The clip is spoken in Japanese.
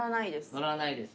乗らないです。